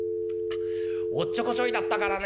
おっちょこちょいだったからね。